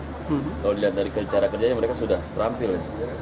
kalau dilihat dari cara kerjanya mereka sudah terampil